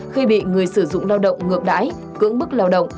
khi bị người sử dụng lao động ngược đái cưỡng bức lao động